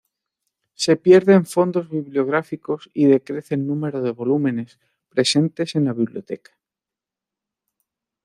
Se pierden fondos bibliográficos y decrece el número de volúmenes presentes en la Biblioteca.